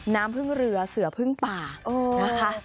น้ำพึ่งเรือเสือพึ่งป่านะคะ